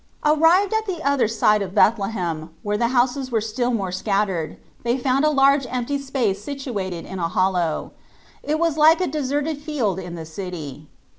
Arrived at the other side of Bethlehem, where the houses were still more scattered, they found a large empty space situated in a hollow ; it was like a deserted field in the city.